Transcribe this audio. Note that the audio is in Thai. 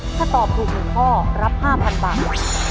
ถ้าตอบถูก๑ข้อรับ๕๐๐๐บาท